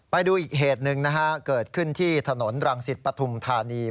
ไปดูอีกเหตุหนึ่งนะฮะเกิดขึ้นที่ถนนรังสิตปฐุมธานี